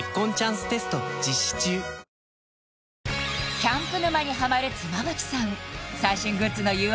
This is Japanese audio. キャンプ沼にハマる妻夫木さん